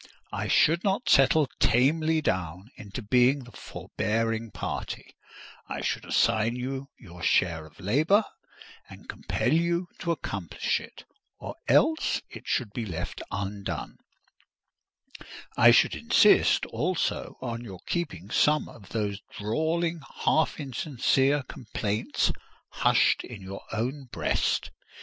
I should not settle tamely down into being the forbearing party; I should assign you your share of labour, and compel you to accomplish it, or else it should be left undone: I should insist, also, on your keeping some of those drawling, half insincere complaints hushed in your own breast.